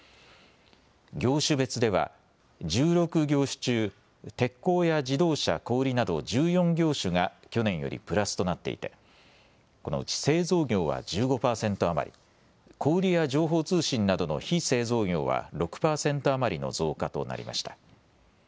業種別では１６業種中、鉄鋼や自動車、小売など１４業種が去年よりプラスとなっていてこのうち製造業は１５％余り、小売や情報通信などの非製造業は６％余りの増加となりました。